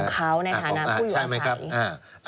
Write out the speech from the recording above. ของเขาในฐานะผู้อยู่อาศัย